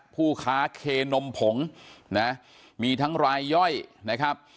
ผู้ค้าเคนมผงนะมีทั้งรายย่อยนะครับ